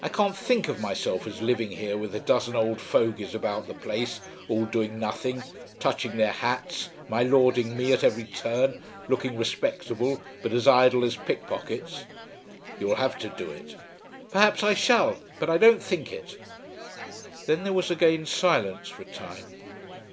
I can't think of myself as living here with a dozen old fogies about the place all doing nothing, touching their hats, my lording me at every turn, looking respectable, but as idle as pickpockets." "You'll have to do it." "Perhaps I shall, but I don't think it." Then there was again silence for a time.